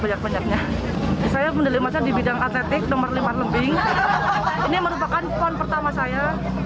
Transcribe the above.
banyak banyaknya saya medali emasnya di bidang atletik nomor lima lebih ini merupakan pon pertama saya